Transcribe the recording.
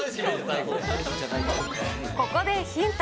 ここでヒント。